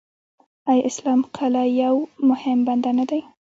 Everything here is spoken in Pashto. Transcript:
آیا اسلام قلعه یو مهم بندر نه دی؟